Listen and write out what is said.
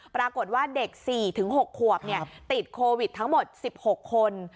ปรากฏว่าเด็ก๔๖ขวบติดโควิดทั้งหมด๑๖คน